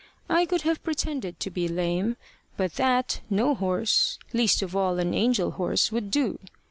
I could have pretended to be lame, but that no horse, least of all an angel horse would do.